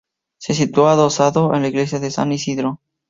Se sitúa adosado a la Iglesia de San Isidoro.